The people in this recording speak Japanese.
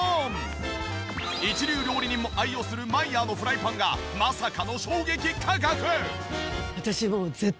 一流料理人も愛用するマイヤーのフライパンがまさかの衝撃価格！